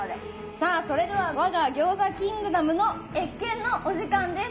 さあそれでは我が餃子キングダムの謁見のお時間です。